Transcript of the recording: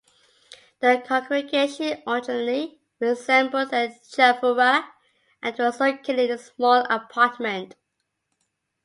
The congregation originally resembled a chavurah, and was located in a small apartment.